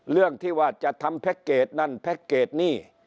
เรื่องที่ว่าจะทำแพ็คเกจนั่นแพ็คเกจนี่